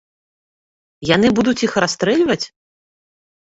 Яны будуць іх расстрэльваць?